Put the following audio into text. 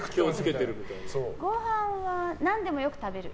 ご飯は何でもよく食べる。